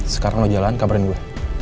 sekarang lo jalan kabarin gue